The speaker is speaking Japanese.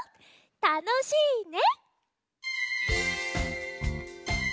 「たのしいね」。